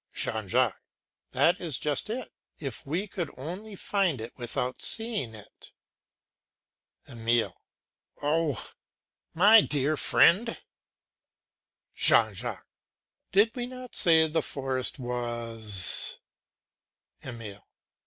JEAN JACQUES. That is just it. If we could only find it without seeing it. EMILE. Oh! my dear friend! JEAN JACQUES. Did not we say the forest was... EMILE.